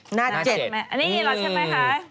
หน้าเจ็ดไหมอันนี้เหรอใช่ไหมคะอืมหน้าเจ็ด